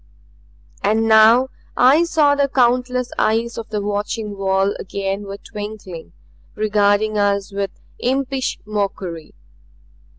And now I saw the countless eyes of the watching wall again were twinkling, regarding us with impish mockery.